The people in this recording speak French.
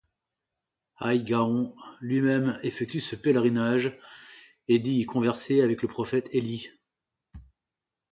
Haï Gaon lui-même effectue ce pèlerinage et dit y converser avec le prophète Élie.